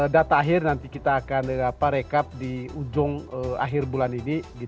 data akhir nanti kita akan rekap di ujung akhir bulan ini